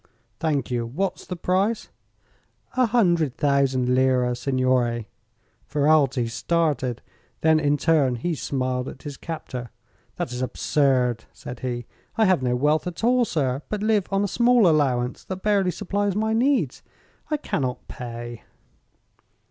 "Thank you. What's the price?" "A hundred thousand lira, signore." Ferralti started. Then in turn he smiled at his captor. "That is absurd," said he. "I have no wealth at all, sir, but live on a small allowance that barely supplies my needs. I cannot pay."